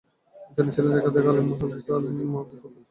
তিনি ছিলেন একাধারে ইমাম, আলিম, হাফিজ, মুহাদ্দিস, ফকীহ ও ইতিহাসবিদ।